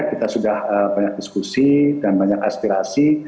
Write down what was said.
kita sudah banyak diskusi dan banyak aspirasi